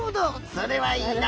それはいいな！